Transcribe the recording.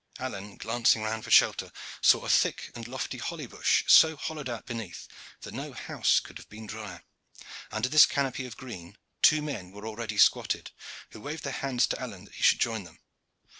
Alleyne, glancing round for shelter, saw a thick and lofty holly bush, so hollowed out beneath that no house could have been drier. Under this canopy of green two men were already squatted, who waved their hands to Alleyne that he should join them.